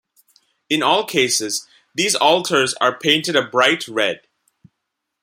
In all cases, these altars are painted a bright red.